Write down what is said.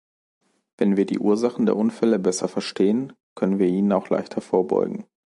Wenn wir die Ursachen der Unfälle besser verstehen, können wir ihnen auch leichter vorbeugen.